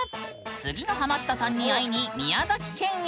次のハマったさんに会いに宮崎県へ！